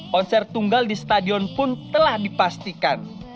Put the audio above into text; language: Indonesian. konser tunggal di stadion pun telah dipastikan